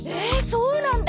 そうなんだ。